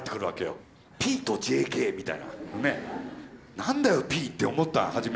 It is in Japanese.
何だよ「Ｐ」って思った初め。